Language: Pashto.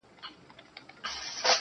هو په همزولو کي له ټولو څخه پاس يمه~